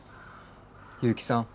結城さん